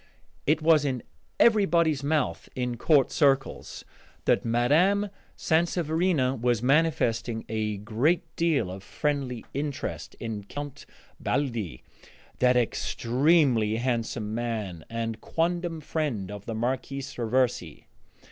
It was in everybody's mouth in court circles that Mme. Sanseverina was manifesting a great deal of friendly interest in Count Baldi, that extremely handsome man and quondam friend of the Marquise Raversi.